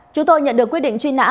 chúng tôi nhận được quyết định truy nã